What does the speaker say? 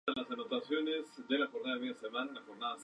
partan